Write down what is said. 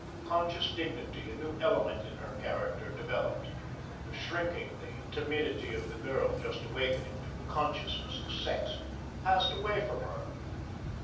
Conscious dignity, a new element in her character, developed. The shrinking, the timidity of the girl just awakening to the consciousness of sex, passed away from her.